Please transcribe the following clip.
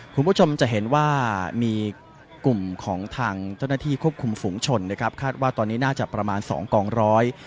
คุณผู้ชมจะเห็นว่ามีกลุ่มของทางเจ้าหน้าที่ควบคุมฝุงชนนะครับคาดว่าตอนนี้น่าจะประมาณสองกองร้อย